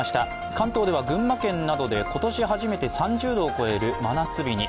関東では群馬県などで今年初めて３０度を超える真夏日に。